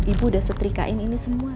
ibu udah setrika ini semua